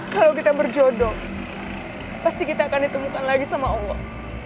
kalau kita berjodoh pasti kita akan ditemukan lagi sama allah